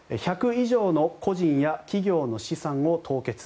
１００以上の個人や企業の資産を凍結。